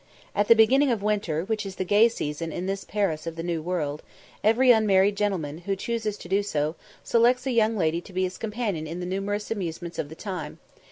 At the beginning of winter, which is the gay season in this Paris of the New World, every unmarried gentleman, who chooses to do so, selects a young lady to be his companion in the numerous amusements of the time.